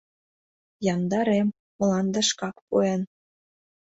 Яндар эм, мланде шкак пуэн.